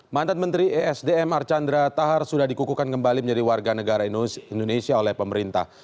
mantan menteri esdm archandra tahar sudah dikukukan kembali menjadi warga negara indonesia oleh pemerintah